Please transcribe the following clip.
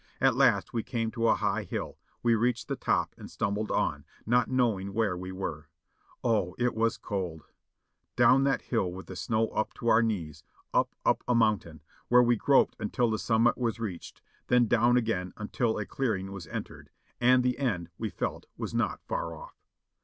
At last we came to a high hill ; we reached the top and stumbled on, not knowing where we were. Oh it was cold ! Down that hill with the snow up to our knees, up, up a mountain, where we groped until the summit was reached, then down again until a 32 498 JOHNNY REB and BILLY YANK clearing was entered and the end, we felt, was not far off.